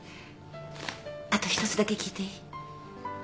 あと一つだけ聞いていい？